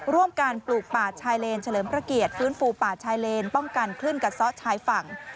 ร่วมการปลูกป่าชายเลนเฉลิมพระเกียรติฟื้นฟูป่าชายเลนป้องกันคลื่นกัดซะชายฝั่ง